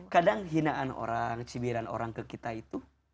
kadang hinaan orang cibiran orang ke kita itu